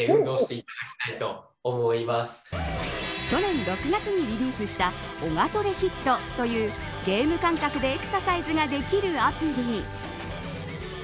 去年６月にリリースしたオガトレＨＩＴというゲーム感覚でエクササイズができるアプリ。